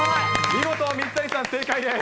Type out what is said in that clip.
見事水谷さん、正解です。